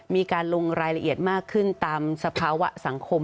มีการลงรายละเอียดมากขึ้นตามสภาวะสังคม